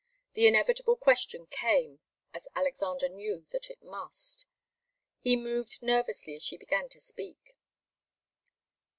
The inevitable question came, as Alexander knew that it must. He moved nervously as she began to speak.